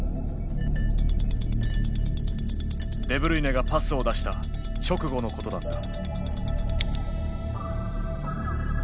デブルイネがパスを出した直後のことだった。